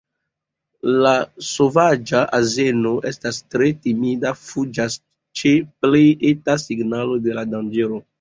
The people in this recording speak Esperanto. La sovaĝa azeno estas tre timida, fuĝas ĉe plej eta signalo de danĝero.